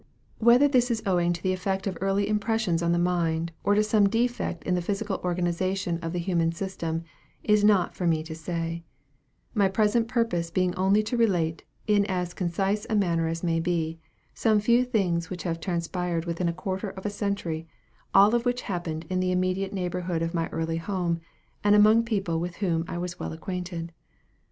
Whether this is owing to the effect of early impressions on the mind, or to some defect in the physical organization of the human system, is not for me to say; my present purpose being only to relate, in as concise a manner as may be, some few things which have transpired within a quarter of a century; all of which happened in the immediate neighborhood of my early home, and among people with whom I was well acquainted.